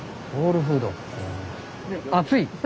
熱い？